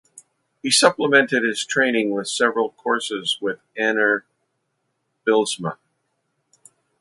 He supplemented his training with several courses with Anner Bylsma.